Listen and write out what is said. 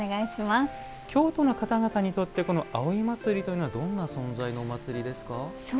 京都の方々にとってこの葵祭というのはどんな存在のお祭りですか。